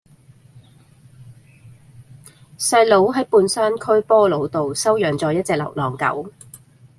細佬喺半山區波老道收養左一隻流浪狗